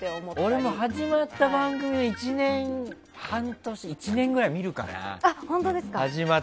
俺も始まった番組で半年とか１年くらい見るから。